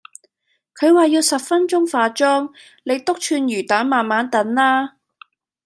佢話要十分鐘化妝，你篤串魚旦慢慢等啦